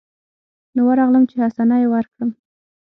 نو ورغلم چې حسنه يې وركړم.